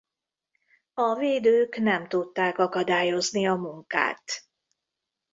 A védők nem tudták akadályozni a munkát.